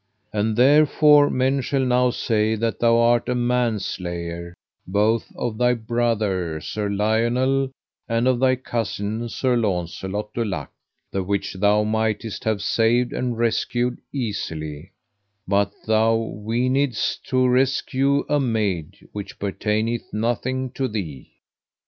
And therefore men shall now say that thou art a manslayer, both of thy brother, Sir Lionel, and of thy cousin, Sir Launcelot du Lake, the which thou mightest have saved and rescued easily, but thou weenedst to rescue a maid which pertaineth nothing to thee.